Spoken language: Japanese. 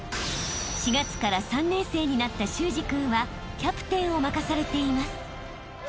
［４月から３年生になった修志君はキャプテンを任されています］